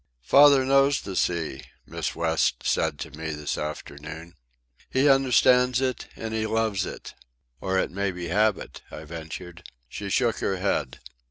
"Father knows the sea," Miss West said to me this afternoon. "He understands it, and he loves it." "Or it may be habit," I ventured. She shook her head.